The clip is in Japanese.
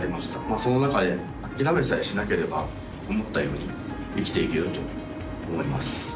その中で、諦めさえしなければ思ったように生きていけると思います。